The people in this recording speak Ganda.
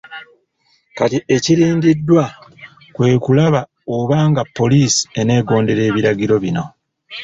Kati ekirindiddwa kwe kulaba oba nga poliisi eneegondera ebiragiro bino.